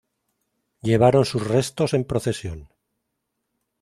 Llevaron sus restos en procesión.